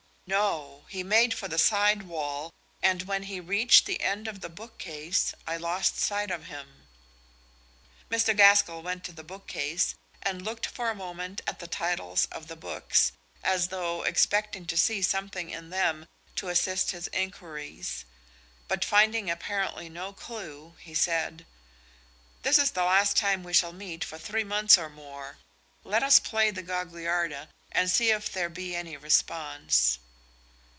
"No; he made for the side wall, and when he reached the end of the bookcase I lost sight of him." Mr. Gaskell went to the bookcase and looked for a moment at the titles of the books, as though expecting to see something in them to assist his inquiries; but finding apparently no clue, he said "This is the last time we shall meet for three months or more; let us play the Gagliarda and see if there be any response."